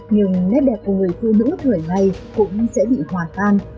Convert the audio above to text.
nhưng nét đẹp của người phụ nữ thời này cũng sẽ bị hòa tan